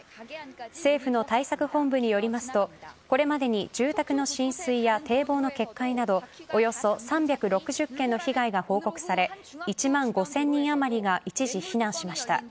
政府の対策本部によりますとこれまでに住宅の浸水や堤防の決壊などおよそ３６０件の被害が報告され１万５０００人あまりが一時避難しました。